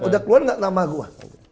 udah keluar gak nama gue